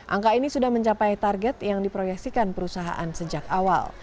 angka ini sudah mencapai target yang diproyeksikan perusahaan sejak awal